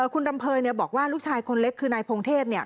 คุณรำเภยเนี่ยบอกว่าลูกชายคนเล็กคือนายพงเทพเนี่ย